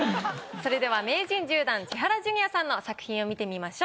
それでは名人１０段千原ジュニアさんの作品を見てみましょう。